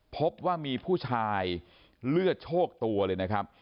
พบว่ามีผู้ชายเลือดโชคตัวเลยนะครับ